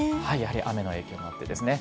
雨の影響もあってですね。